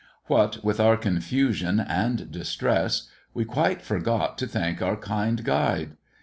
What with our confusion and distress, we quite forgot to thank our kind guide.